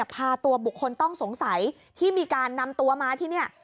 พาตัวบุคคลต้องสงสัยที่มีการนำตัวมาที่นี่